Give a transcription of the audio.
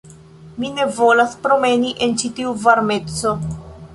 Mi ne volas promeni en ĉi tiu varmeco